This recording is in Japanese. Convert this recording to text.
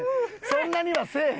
そんなにはせえへんよ。